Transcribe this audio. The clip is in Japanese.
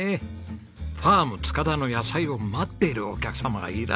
ファーム塚田の野菜を待っているお客様がいらっしゃるんですよ！